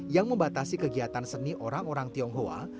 yang membatasi kegiatan seni orang orang tionghoa